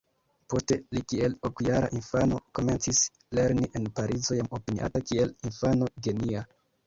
Poste li kiel ok-jara infano komencis lerni en Parizo jam opiniata kiel infano genia.